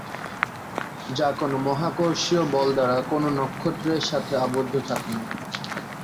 যা কোন মহাকর্ষীয় বল দ্বারা কোন নক্ষত্রের সাথে আবদ্ধ থাকে না।